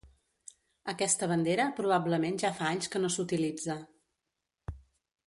Aquesta bandera probablement ja fa anys que no s'utilitza.